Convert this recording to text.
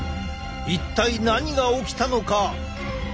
一体何が起きたのか？